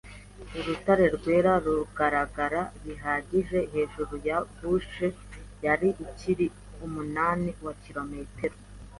Urutare rwera, rugaragara bihagije hejuru ya brush, yari ikiri umunani wa kilometero